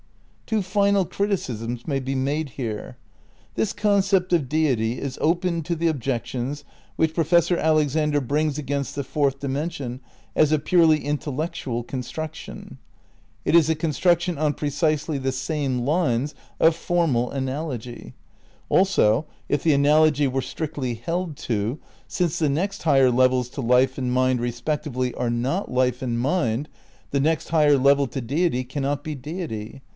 Two final criticisms may be made here. This con cept of Deity is open to the objections which Professor Alexander brings against the Fourth Dimension as a purely intellectual construction. It is a construction on precisely the same lines of formal analogy. Also, if the analogy were strictly held to, since the next higher levels to life and mind respectively are not life and ^ Space, Time and Deity, Vol. II, p. 374. 'The same, p. 373. "The same, pp. 386 388. V THE CRITICAL PREPARATIONS 215 mind, the next higher level to Deity cannot be Deity.